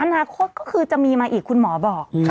อนาคตก็คือจะมีมาอีกคุณหมอบอก